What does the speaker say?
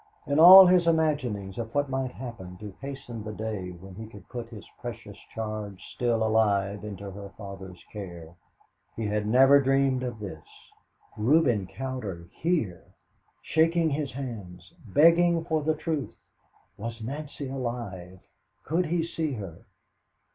In all his imaginings of what might happen to hasten the day when he could put his precious charge still alive into her father's care, he had never dreamed of this. Reuben Cowder here! Shaking his hands begging for the truth Was Nancy alive? Could he see her?